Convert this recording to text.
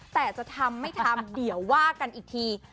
แต่จะทำไม่ทำเดี๋ยวว่ากันอีกที